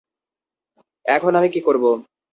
এখন আমি কী করবো?